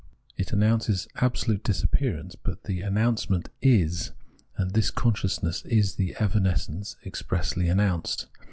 It announces absolute disappearance but the announcement is, and this consciousness is the evanescence expressly announced.